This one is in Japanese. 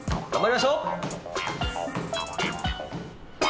頑張りましょう！